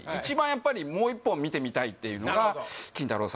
やっぱりもう一本見てみたいっていうのがキンタロー。